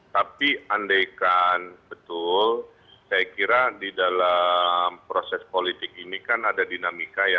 tapi andaikan betul saya kira di dalam proses politik ini kan ada dinamika ya